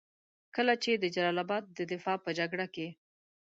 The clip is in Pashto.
کله چې د جلال اباد د دفاع په جګړه کې.